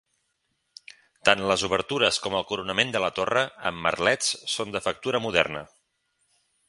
Tant les obertures com el coronament de la torre, amb merlets, són de factura moderna.